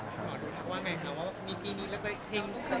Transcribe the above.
ต้องลองคอยต้องคอยกับผม